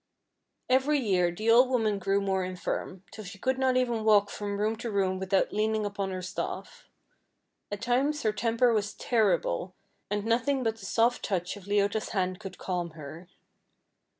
Every year the old woman grew more infirm, till she could not even walk from room to room without leaning upon her staff. At times her temper was terrible, and nothing but the soft touch of Leota's hand could calm her.